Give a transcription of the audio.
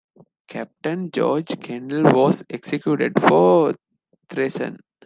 Captain George Kendall was executed for treason.